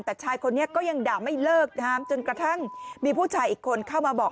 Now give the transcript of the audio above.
แต่ชายคนนี้ก็ยังด่าไม่เลิกนะฮะจนกระทั่งมีผู้ชายอีกคนเข้ามาบอก